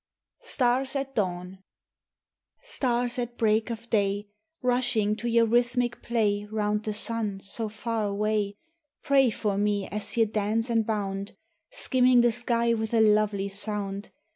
STARS AT DAWN. STARS at break of day Rushing to your rhythmic play Round the sun so far away, Pray for me as ye dance and bound, Skimming the sky with a lovely sound.